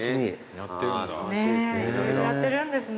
やってるんですね。